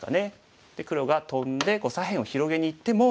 黒がトンで左辺を広げにいっても。